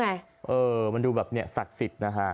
เออมันดูแบบเนี่ยศักดิ์สิทธิ์นะฮะ